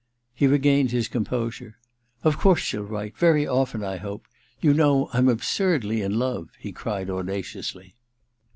He regained his composure. •Of course she'll write : very often, I hope. You know I'm absurdly in love,' he cried audaciously.